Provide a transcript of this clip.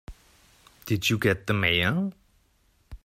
Did you get the Mayor?